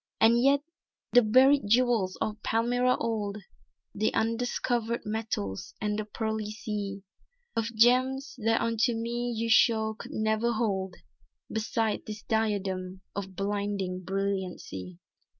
"And yet the buried jewels of Palmyra old, The undiscovered metals and the pearly sea Of gems, that unto me you show could never hold Beside this diadem of blinding brilliancy."